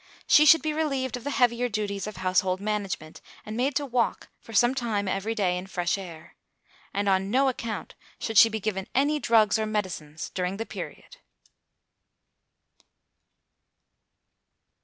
She should be relieved of the heavier duties of household management, and made to walk for some time every day in fresh air. And on no account should she be given any drugs or medicines during the period.